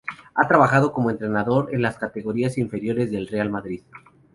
Ha trabajado como entrenador en las categorías inferiores del Real Madrid.